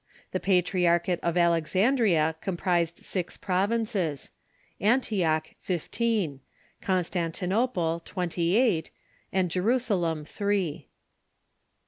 The ])atriarchate of Alexandria comprised six provinces; vVntiocli, fifteen; Constantinople, twentj' eight ; and Jorusalom, three.